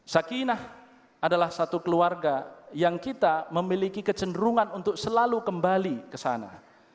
sakinah adalah satu keluarga yang kita memiliki kecenderungan untuk selalu kembali ke sana